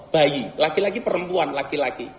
bayi laki laki perempuan laki laki